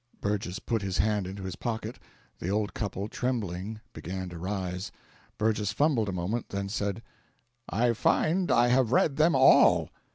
Burgess put his hand into his pocket. The old couple, trembling, began to rise. Burgess fumbled a moment, then said: "I find I have read them all."